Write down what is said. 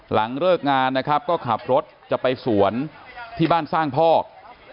หลังเลิกงานนะครับก็ขับรถจะไปสวนที่บ้านสร้างพอก